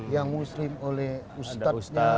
yang muslim oleh ustadz nya